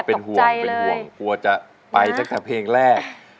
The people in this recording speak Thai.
เป็นห่วงจะไปแต่เพลงแรก